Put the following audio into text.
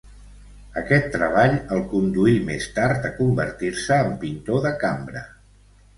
Aquest treball el conduí més tard a convertir-se en pintor de cambra.